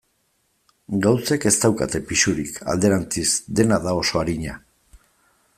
Gauzek ez daukate pisurik, alderantziz, dena da oso arina.